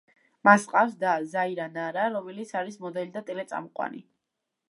მას ჰყავს და, ზაირა ნარა, რომელიც არის მოდელი და ტელე-წამყვანი.